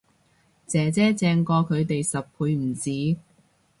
姐姐正過佢哋十倍唔止